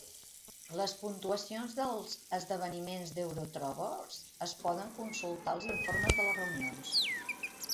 Les puntuacions dels esdeveniments d'Eurothrowers es poden consultar als informes de les reunions.